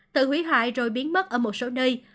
tự hủy hoại rồi biến mất ở một số nơi